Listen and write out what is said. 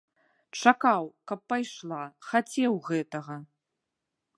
Чакаў, каб пайшла, хацеў гэтага.